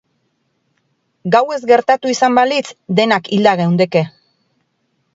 Gauez gertatu izan balitz, denak hilda geundeke.